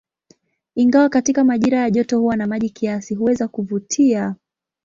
Ingawa katika majira ya joto huwa na maji kiasi, huweza kuvutia.